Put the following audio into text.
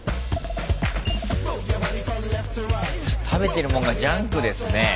食べてるもんがジャンクですね